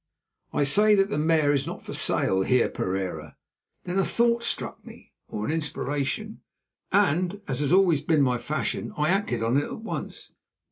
"I say that the mare is not for sale, Heer Pereira." Then a thought struck me, or an inspiration, and, as has always been my fashion, I acted on it at once.